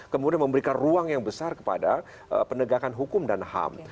kemudian memberikan ruang yang besar kepada penegakan hukum dan ham